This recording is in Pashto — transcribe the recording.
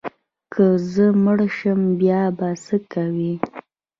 که زه مړ شم بیا به څه کوې؟